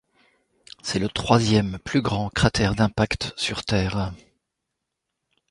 C'est le troisième plus grand cratère d'impact sur Terre.